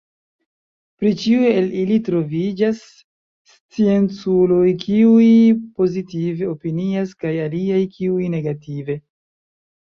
Pri ĉiu el ili troviĝas scienculoj kiuj pozitive opinias kaj aliaj kiuj negative.